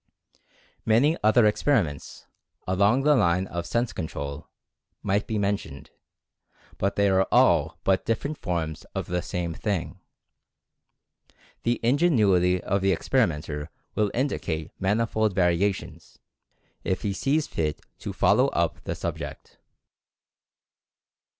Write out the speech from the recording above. Many other experiments along the line of Sense Control, might be mentioned, but they are all but dif ferent forms of the same thing. The ingenuity of the experimenter will indicate manifold variations, if he sees fit to follow up the subject.